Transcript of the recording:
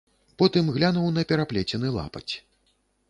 Потым глянуў на пераплецены лапаць.